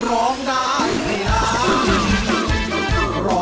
ร้องได้ให้ร้อง